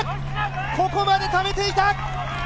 ここまでためていた。